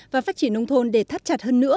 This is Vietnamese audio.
và phát triển nông thôn để thắt chặt hơn nữa